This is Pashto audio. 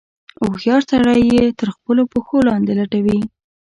هوښیار سړی یې تر خپلو پښو لاندې لټوي.